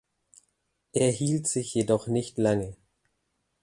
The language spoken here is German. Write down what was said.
Er hielt sich jedoch nicht lange.